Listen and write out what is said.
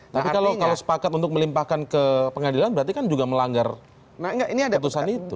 tapi kalau sepakat untuk melimpahkan ke pengadilan berarti kan juga melanggar putusan itu